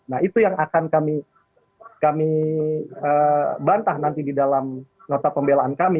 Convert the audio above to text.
nah itu yang akan kami bantah nanti di dalam nota pembelaan kami